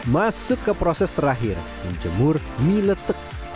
masuk ke proses terakhir menjemur mie letek